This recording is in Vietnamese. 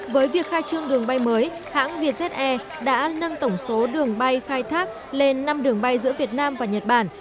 với việc khai trương đường bay mới hãng vietjet air đã nâng tổng số đường bay khai thác lên năm đường bay giữa việt nam và nhật bản